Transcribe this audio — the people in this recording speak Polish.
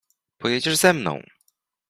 Pojedziesz ze mną!